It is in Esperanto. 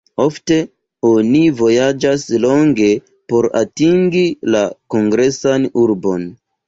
Ofte oni vojaĝas longe por atingi la kongresan urbon.